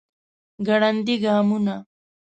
ګړندي ګامونه